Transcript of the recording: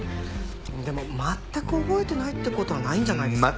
でも全く覚えてないって事はないんじゃないですかね？